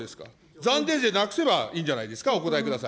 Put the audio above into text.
暫定税なくせばいいんじゃないですか、お答えください。